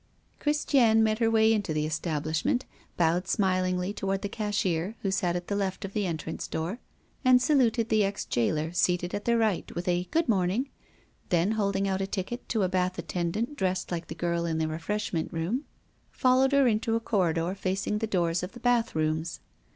Christiane made her way into the establishment, bowed smilingly toward the cashier, who sat at the left of the entrance door, and saluted the ex jailer seated at the right with a "Good morning"; then, holding out a ticket to a bath attendant dressed like the girl in the refreshment room, followed her into a corridor facing the doors of the bath rooms.